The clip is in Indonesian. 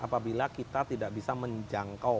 apabila kita tidak bisa menjangkau